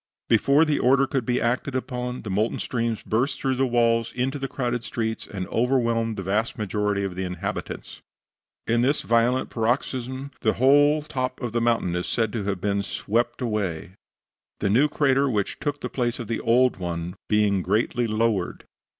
Before the order could be acted upon the molten streams burst through the walls into the crowded streets, and overwhelmed the vast majority of the inhabitants. In this violent paroxysm the whole top of the mountain is said to have been swept away, the new crater which took the place of the old one being greatly lowered.